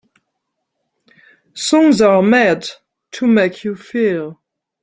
Songs are made to make you feel.